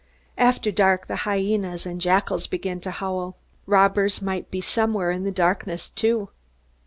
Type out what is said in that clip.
After dark the hyenas and jackals began to howl. Robbers might be somewhere in the darkness too.